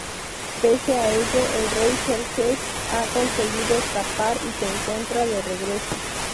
Pese a ello, el rey Jerjes ha conseguido escapar, y se encuentra de regreso.